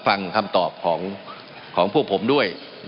มันมีมาต่อเนื่องมีเหตุการณ์ที่ไม่เคยเกิดขึ้น